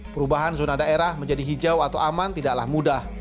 perubahan zona daerah menjadi hijau atau aman tidaklah mudah